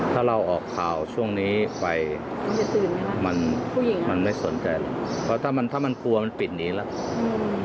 ถ้าเราออกข่าวช่วงนี้ไปมันไม่สนใจแล้วเพราะถ้ามันกลัวมันปิดหนีแล้ว